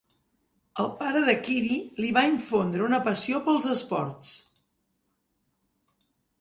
El pare de Keady li va infondre una passió pels esports.